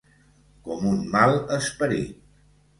Com un mal esperit.